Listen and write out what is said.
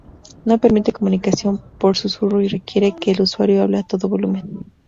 No permite comunicación por susurro y requiere que el usuario hable a todo volumen.